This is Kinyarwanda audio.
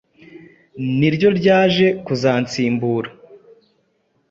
ni ryo ryaje kuzansimbura